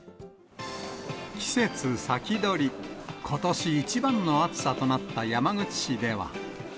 季節先取り、ことし一番の暑さとなった山口市では。